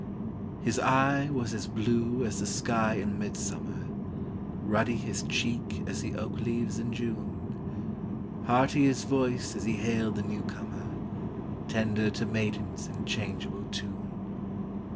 His eye was as blue as the sky in midsummer, Ruddy his cheek as the oak leaves in June, Hearty his voice as he hailed the new comer, Tender to maidens in changeable tune.